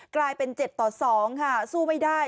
กลายเป็น๗ต่อ๒ค่ะสู้ไม่ได้